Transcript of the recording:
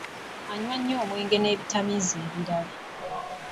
Anywa nnyo omwenge n'ebitamiiza ebirala.